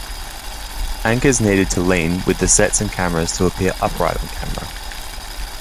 Anchors needed to lean with the sets and cameras to appear upright on camera.